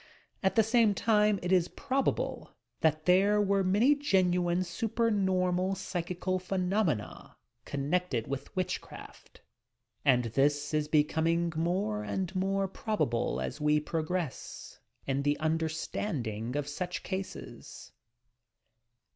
At the same time it is probable that there were many genuine supernormal psychical phe nomena connected with witchcraft, and this is becom k PERVERTED TTSES OF SPIRITUALISM 309 ing more and more probable as we progress in the understanding of such cases.